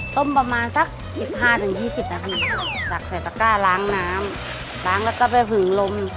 ประมาณสักสิบห้าถึงยี่สิบนะคะตักใส่ตะก้าล้างน้ำล้างแล้วก็ไปหึงลม